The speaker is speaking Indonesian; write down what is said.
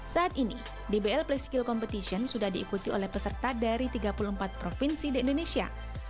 saat ini dbl play skill competition sudah diikuti oleh peserta dari tiga puluh empat provinsi di indonesia